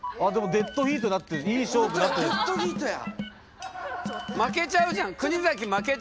デッドヒートや。